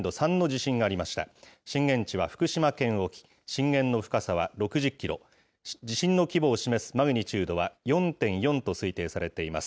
震源地は福島県沖、震源の深さは６０キロ、地震の規模を示すマグニチュードは４．４と推定されています。